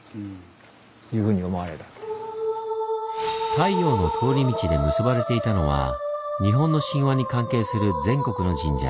太陽の通り道で結ばれていたのは日本の神話に関係する全国の神社。